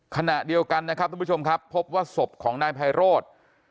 ขณะเดียวกันนะครับทุกผู้ชมครับพบว่าศพของนายไพโรธ